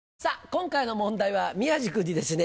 今回の問題は宮治君にですね